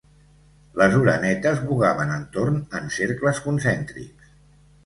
Les orenetes vogaven entorn en cercles concèntrics.